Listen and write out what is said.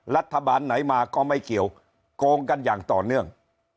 รัฐบาลไหนมาก็ไม่เกี่ยวโกงกันอย่างต่อเนื่อง